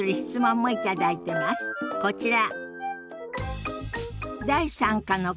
こちら。